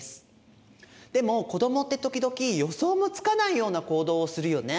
でも子どもって時々予想もつかないような行動をするよね。